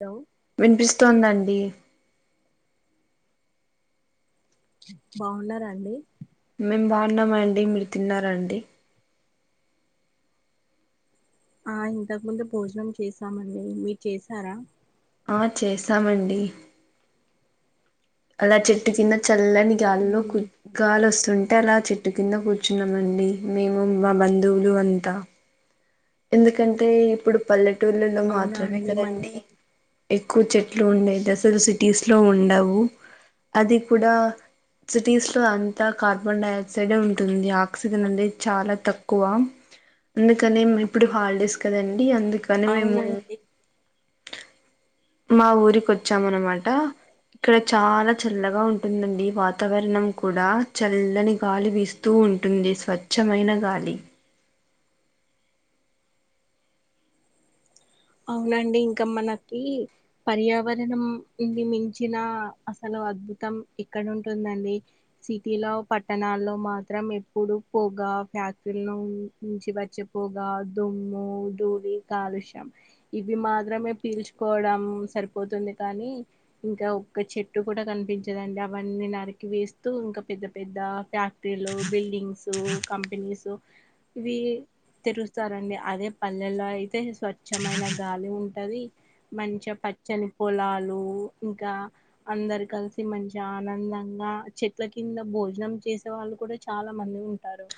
Hello వినిపిస్తుందండి బాగున్నారా అండి మేమ్ బాగున్నామండి మీరు తిన్నారండి ఆ ఇంతకు ముందు భోజనం చేసామండి మీరు చేసారా ఆ చేశామండి అలా చెట్టు కింద చల్లని గాల్లో కు గాలి వస్తుంది అంటే అలా చెట్టు కింద కూర్చున్నామ అండి మేము మా బంధువులు అంతా ఎందుకంటే ఇప్పుడు పల్లెటూర్లల్లో అవునా మాత్రమే అండి మ కదండి ఎక్కువ చెట్లు ఉండేదసలు సిటీస్ లో ఉండవు అది కూడా సిటీస్ లో అంతా కార్బన్ డైక్ సైడ్ ఉంటుంది ఆక్సిజన్ అనేది చాలా తక్కువ అందుకని మే ఇప్పుడు హాలిడేస్ కదండి అందుకని మేము అవునండి మా ఊరికి వచ్చాం అన్నమాట ఇక్కడ చాలా చల్లగా ఉంటుందండి వాతావరణం కూడా చల్లని గాలి వీస్తూ ఉంటుంది స్వచ్ఛమైన గాలి అవునండి ఇంకా మనకి పర్యావరణం ఇని మించిన అసలు అద్భుతం ఎక్కడుంటుందండి సిటీ లో పట్టణాల్లో మాత్రం ఎప్పుడు పోగ్ ఫ్యాక్టరీ ను నుంచి వచ్చిపోగా దుమ్ము ధూళి కాలుష్యం. ఇవి మాత్రమే పీల్చుకోవడం సరిపోతుంది కానీ ఇంకా ఒక చెట్టు కూడ కదా కనిపించదండి అవన్నీ నరికి వేస్తూ ఇంకా పెద్ద పెద్ద ఫ్యాక్టరీలు బిల్డింగ్స్ కంపెనీ ఇ తెరుస్తారండి అదే పల్లెలో అయితే స్వ స్వచ్ఛమైన గాలి ఉంటది మంచి పచ్చని పొలాలు ఇంకా అందరు కలిసి మంచి ఆనందంగా ఆ చెట్ల కింద భోజనం చేసే వాళ్ళు కూడా చాలా మంది ఉంట టారు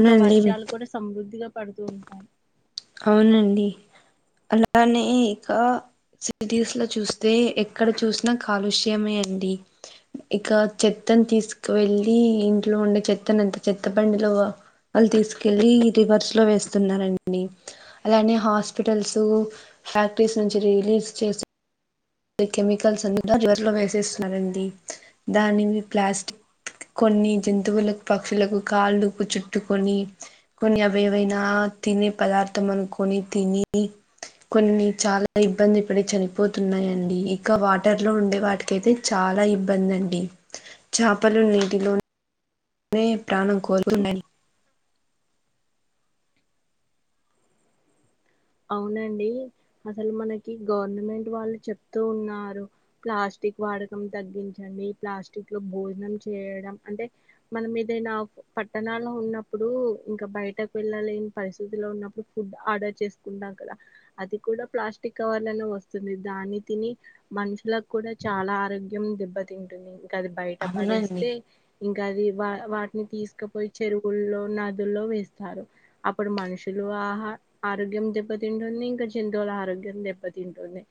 ఇంకా వర్షాలు కూడా సమృద్ధిగా పడుతూ ఉంటాయి అవునండి అలానే ఇక సిటిస్ లో చూస్తే ఎక్కడ చూసినా కాలుష్యమే అండి ఇక చెత్తను తీసుకువెళ్ళలి ఇంట్లో ఉండే చెత్తను అంత చెత్త బండిలో అది తీసుకెళ్లి రివర్స్ లో వేస్తున్నారండి అలానే హాస్పిటల్స్ ఫ్యాక్టరీస్ నుంచి రిలీజ్ చేస్ కెమికల్స్ జ్వరలో వేసేస్తుంది దాని ప్లాస్టిక్ కొన్ని జంతువులకు పక్షులకు కాళ్ళుకు చుట్టుకొని కొన్ని అవెవైనా తినే పదార్థమనుకుని తిని కొన్ని చాలా ఇబ్బంది పడి చనిపోతున్నాయన అండి ఇక వాటర్ లో ఉండే వాటికైతే చాలా ఇబ్బంది అండి చేపలు నీటిలో [unintelligible] కోరుని అవునండి అసలు మనకి గవర్నమెంట్ వాళ్లు చెబుతూ ఉన్నారు ప్లాస్టిక్ ప్లాస్టిక్ వాడడం తగ్గించండి ప్లాస్టిక్ లో భోజనం చేయడం అంటే మనం ఏదైనా పట్టణాలో ఉన్నప్పుడు ఇంకా బయటకు వెళ్ళలేని పరిస్థితులో ఉన్నప్పుడు ఫుడ్ ఆర్డర్ చేస్ ఉండ కదా అది కూడా ప్లాస్టిక్ కవర్ లోనే వస్తుంది దాన్ని తిని మనుషులకు కూడా చాలా ఆరోగ్యం దెబ్బతింటుంది ఇంకా అది బయట అవునండి పడేస్తే ఇంకా గది వా వాటిని తీసుకుపోయి చెరువుల్లో నదుల్లో వేస్తారు అప్పుడు మనుషులు ఆహ ఆరోగ్యం దెబ్బతింటుంది ఇంకా జంతువుల ఆరోగ్యం దెబ్బతింటుంది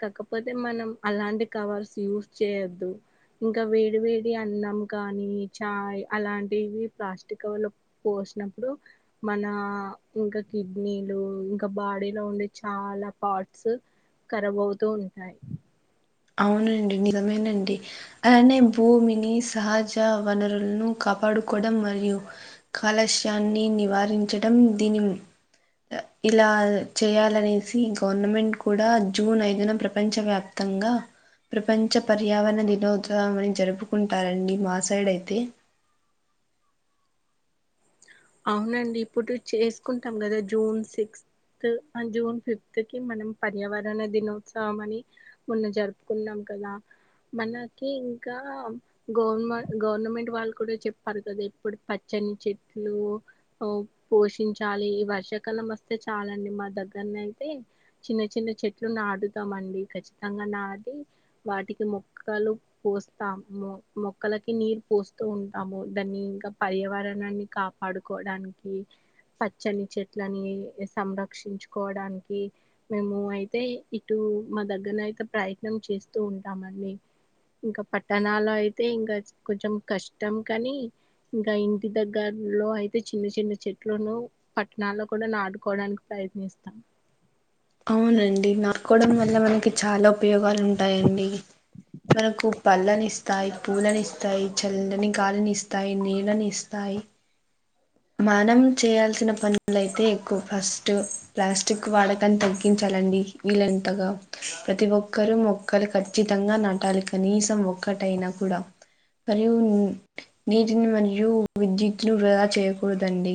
కాకపోతే మనం అలాంటి కావర్స్ యూస్ చేయద్దు ఇంకా వేడి వేడి అన్నం కానీ చాయ్ అలాంటివి ప్లాస్టిక్ కవర్ల పో ష్నపుడు మన ఇంకా కిడ్నీలు ఇం ఇంకా బాడీ లో ఉండే చాలా పార్ట్స్ కరబవుతు ఉంటాయి. అవునండి నిజమేనండి అయ్యన్నీ భూమిని సహజ వనరులను క కాపాడుకోవడం మరియు కాలష్యాన్ని నివారించడం దీని ఇలా చేయాలనేసి గవర్నమెంట్ కూడా జూన్ ఐదున ప్రపంచవ్యాప్తగా ప్రపంచ పర్యావరణ దినోత్సవం అని జరుపుకుంటారండి మా సైడు అయితే అవునండి ఇప్పుడు చేసుకుంటాం కదా జూన్ సిక్స్త్ జూన్ ఫిఫ్త్ కి మనం పర్యావరణ దినోత్సవం మని మొన్న జరుపుకున్నాం కలా మనకి ఇంకా గవర్నమెం గవర్నమెంట్ వాళ్ళు కూడా చెప్పారు కదా ఇప్పుడు పచ్చ పెంచాట్ పోషించాలి ఈ వర్షాకాలం వస్తే చాలండి మా దగ్గరనైతే చిన్న చిన్న చెట్లు నాడుతామండి ఖచ్చితంగా నాటి వాటికి మొక్కలు పోస్తాం మొ మొక్కలకి నీరు పోస్తూ ఉంటాము దాన్ని ఇంకా పర్యావరణాన్ని కాపాడుకోడానికి పచ్చని చెట్లని సంరక్షించుకోవడానికి మేము అయితే ఇటు మా దగ్గరన అయితే ప్రయత్నం చేస్తూ ఉంటామని ఇంకా పట్టణాలో అయితే ఇంకా కొంచెం కష్టం కాని ఇంకా ఇంటి దగ్గ లో అయితే చిన్న చిన్న చెట్లను పట్టణాల్లో కూడా నాడుకోవడానికి ప్రయత్నిస్తాం అ మనకి చాలా ఉపయోగాలు ఉంటాయండి మనకు పల్లనిస్తాయి పూలనేస్తాయి చల్లని గాలిని ఇస్తాయి నీళ్ళని ఇస్తాయి అయి మానం చేయాల్సిన పనులయితే ఎక్కువ ఫస్ట్ ప్లాస్టిక్ వాడకాన్ని తగ్గించా డి వీలంతగా ప్రతి ఒక్కరూ మొక్కలు ఖచ్చితంగా నటాలి కనీసం ఒక్క క్కటైన కూడా మరియు నీటిని మరియు విద్యుత్ను వృధా చే పోదండి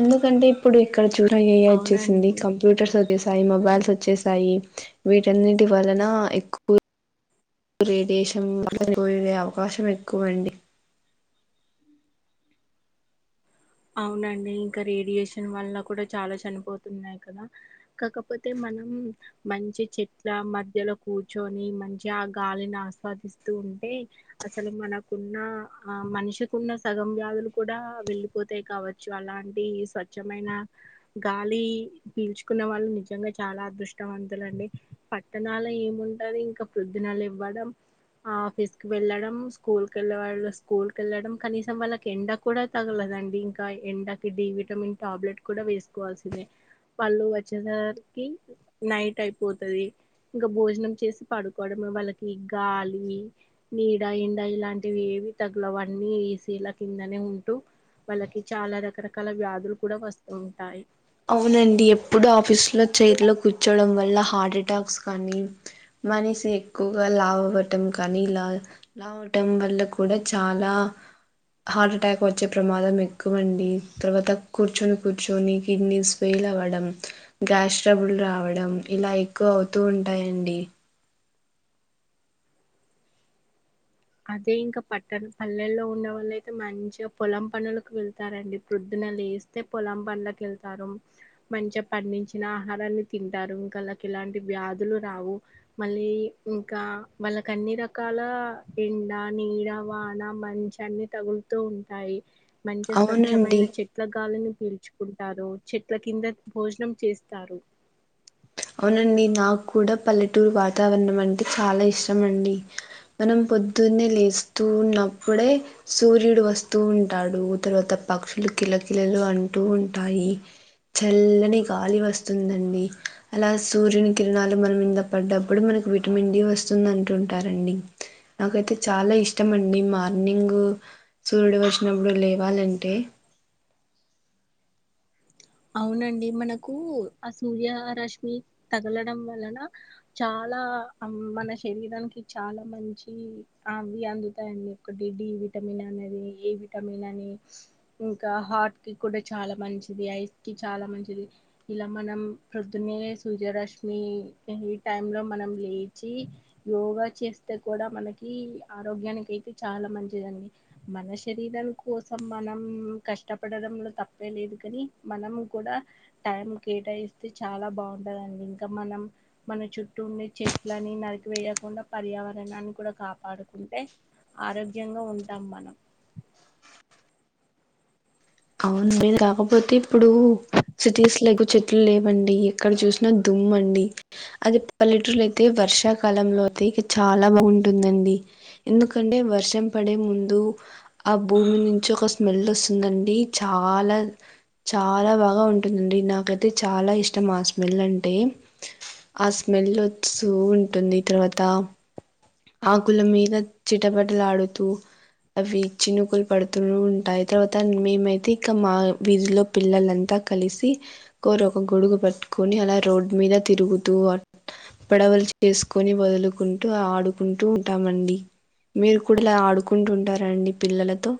ఎందుకంటే ఇప్పుడు ఎక్క ఇక్కడ చూడ ఏఐ వచ్చేసింది అవునండి కంప్యూటర్స్ వచ్చేసాయి మొబైల్స్ వచ్చేసాయి వీటన్నిటి వలన ఎక్కువ రేడియేషన్ పోయే అవకాశం ఎక్కువండి అవునండి ఇంకా రేడియేషన్ వల్ల కూడా చాలా చనిపోతున్నాయి కదా కాకపోతే మ మనం మంచి చెట్ల మధ్యలో కూర్చొని మంచి ఆ గాలిని ఆస్వాదిస్తూ ఉ అంటే అసలు మనకున్న ఆ మనిషికున్న సగం వ్యాధులు కూడా వెళ్ళి పోతాయి కావచ్చు అలాంటి స్వచ్ఛమైన గాలి పీల్చుకున్న వాళ్ళు నిజంగా చాలా అదృష్టవంతులండి పట్టణాలు ఏముంటది ఇంకా ప్రొద్దున లేవడం ఆఫీస్ కి వెళ్లడం స్కూల్ కి వెళ్లే వాళ్ళు స్కూల్ క వెళ్లడం కనీసం వాళ్ళకి ఎండ కూడా తగలదండి ఇంకా ఎండకి డి విటమిన్ టాబ్లెట్ కూడా వేసుకోవాల్సిందే వాళ్ళు వచ్చేసరికి నైట్ అయిపోతది ఇంకా భోజనం చేసి పడుకోవడమే వాళ్ళకి గాలి నీడా ఎండా ఇలాంటివి తగ్ల వన్నీ ఏసీల కిందనే ఉంటు వాళ్ళకి చాలా రకరకాల వ్యాధులు కూడా వస్తూ ఉంటాయి అవునండి ఎప్పుడు ఆఫీసు లో చైర్లో కూర్చోడం వల్ల హార్ట్ ఎటాక్స్ కానీ మనిషి ఎక్కువగా లావ్వటం కానీలా లావటం వల్ల కూడా చాలా హార్ట్ అటాక్ వచ్చే ప్రమాదం ఎక్కువ అండి తర్వాత కూర్చొని కూర్చొని కిడ్నీస్ ఫెయిల్ అవ్వడం గ్యాస్ ట్రబుల్ రావడం ఇలా ఎక్కువ అవుతూ ఉంటాయండి అదే ఇంకా పట్టణ పల్లెల్లో ఉన్న వాళ్ళయితే మంచిగా పొలం పనులకు వెళ్తారండి ప్రొద్దున లేస్తే పొలం పాన్లకు వెళ్తారు మంచిగా పండించిన ఆహారాన్ని తింటారు ఇంకా ఇలాంటి వ్యాధులు రావు మళ్ళీ ఇంకా వాళ్ళకి అన్ని రకాల ఎండ నీడ వాన మంచు అన్ని తగులుతూ ఉంటాయి మంచి స్వచ్ఛమైన అవునండి చెట్ల గాలిని పీల్చుకుంటారు చెట్ల కింద భోజనం చేస్తారు అవునండి నాకు కూడా పల్లెటూరు వాతావరణం అంటే చాలా ఇష్టం అండి మనం పొద్దున్నే లేస్తూ ఉన్నప్పుడే సూర్యుడు వస్తూ ఉంటాడు తర్వాత పక్షులు కిల కల్లలు అంటూ ఉంటాయి చల్లని గాలి వస్తుందండి అలా సూర్యుని కిరణాలు మన మీద పడ్డప్పుడు మనకి విటమిన్ డి వస్తుంది అంటుంటారండి నాకైతే చాలా ఇష్టమండి మార్నింగ్ సూర్యుడు వచ్చినప్పుడు లేవాలంటే [unintelligible] అవునండి మనకు ఆ సూర్య రశ్మి తగలడం వలన చా చాలా మన శరీరానికి చాలా మంచి అవి అందుతాయండి ఒకటి డివి విటమిన్ అనేది ఏ విటమిన్ అని ఇంకా హార్ట్కి కూడా చాలా మంచిది ఐస్ చాలా మంచిది ఇలా మనం పొద్దున్నే సూర్యరశ్మి ఈ టైంలో మన మనం లేచి యోగా చేస్తే కూడా మనకి ఆరోగ్యానికి అయితే చాలా మంచిదిం మన శరీరాం కోసం మనం కష్టపడడంలో తప్పే లేదు కాని మనం కూడా టైం కేటాయిస్తే చాలా బాగుంటదండి ఇంకా మనం మన చు చటుండే చెట్లని నరికి వేయకుండా పర్యావరణాన్ని కూడా కాపాడుకుంటే ఆరోగ్యంగా ఉంటాం మనం [inaudible] అవును కాకపోతే ఇప్పుడు సిటీస్లో ఎక్కువ చెట్లు లేవండి ఎక్కడ చూసినా దూ అండి అది పల్లెటూర్లో అయితే వర్షాకాలంలో అయితే ఇక చాలా బాగుంటుందండి ఎందుకంటే వర్షం పడే ముందు ఆ భూమి నుంచి ఒక స్మెల్ వస్తుందండి చాలా చాలా బాగా ఉంటుందండి నాకైతే చాలా ఇష్టం ఆ స్మెల్ అంటే ఆ స్మెల్ వచ్చూ ఉంటుంది తర్వాత ఆకుల మీద చిటపటలా ఆడుతూ అవి చినుకులు పడుతూ ఉంటాయి తర్వాత మేమై ఇక మ వీధిలో పిల్లలంతా కలిసి కోరు ఒక గొడుగు పట్టుకొని అలా రోడ్ మీద మీద తిరుగుతుఆ పడవలు చేసుకొని వదులుకుంటూ ఆడుకుంటూ ఉంటామండి మీరు కూడాలా ఆడుకుంటుంటారండి పిల్లలతో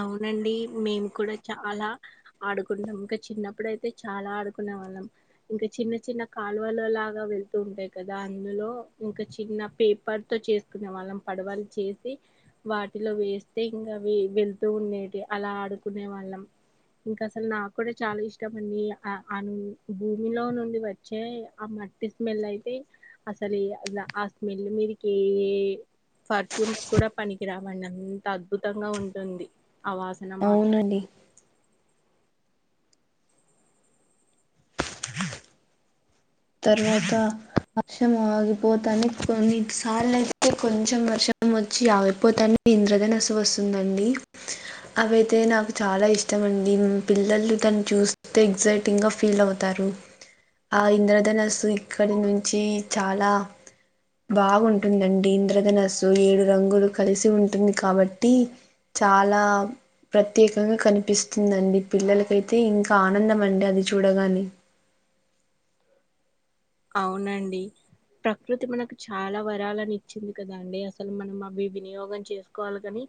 అవునండి మేము కూడా చాలా ఆడుకుంటాం ఇంకా చిన్నప్పుడు అయితే చాలా ఆడుకున్ ల ఇంకా చిన్న చిన్న కాలువలులాగా వెళ్తూ ఉంటాయి కదా అందులో ఇంకా చిన్న పేపర్ తో చేసుకునే వాళ్ళం పడవలు చేసి వాటిలో వేస్తే ఇంకా అవి వెళ్ తు ఉండేటి అలా ఆడుకునే వాళ్ళం ఇంకా అసలు నాకు కూడా చాలా ఇష్టం అండి ఆ భూమిలో నుండి వచ్చే అ మట్టి స్మెల్ అయితే అసలు ఆ స్మెల్ మీదికె ఫర్ఫ్యూమ్స్ కూడా పనికిరావండి అంత అద్భుతంగా ఉంటుంది ఆవాసన మాత్రం అవునండి తర్వాత వర్షం ఆగిపోతానే కొన్ని సార్లు అయితే కొంచెం వర్షం వచ్చి ఆగిపోతాను ఇంద్రధనసు వస్తుందండి అవైతే నాకు చాలా ఇష్టం అండి పిల్లలు తం చూస్తే ఎక్సైటింగ్ గా ఫీల్ అవుతారు ఆ ఇంద్ర ధనస్సు ఇక్కడి నుంచి చాలా బాగుంటుందండి ఇంద్రధనస్సు ఏడు రంగులు కలిసి ఉంటుంది కాబట్టి చాలా ప్రత్యేకంగా కనిపిస్తుందండి పిల్లలకైతే ఇంకా ఆనందం అండి అది చూడగానే అ [inaudible] ఔనండి ప్రకృతి మనకు చాలా వరాలని ఇచ్చింది కదా అండి అసలు మనం అవి వినియోగం చేసుకోవాలి కాని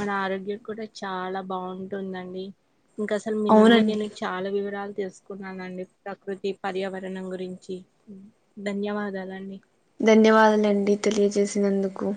మన ఆరోగ్యం కూడా చాలా బాగుంటుందండి ఇంకా అసలు మీ నుండి అవునండి. నేను చాలా వివరాలు తెలుసు కున్నానండి ప్రకృతి పర్యావరణం గురించి ధన్యవాదాలండి ధన్యవాదాలండి తెలియజేసినందుకు